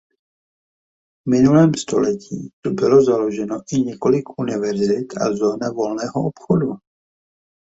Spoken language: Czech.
V minulém století tu bylo založeno i několik univerzit a zóna volného obchodu.